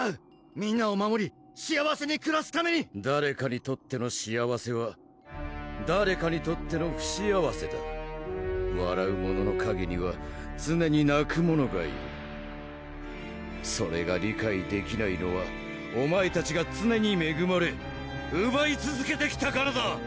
みんなを守り幸せにくらすために誰かにとっての幸せは誰かにとっての不幸せだわらう者の陰には常になく者がいるそれが理解できないのはお前たちが常にめぐまれうばいつづけてきたからだ！